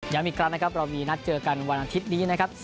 อีกครั้งนะครับเรามีนัดเจอกันวันอาทิตย์นี้นะครับ